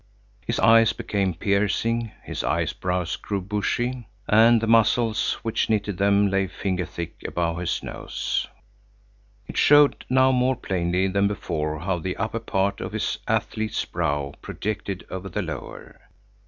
His eyes became piercing, his eyebrows grew bushy, and the muscles which knitted them lay finger thick above his nose. It showed now more plainly than before how the upper part of his athlete's brow projected over the lower.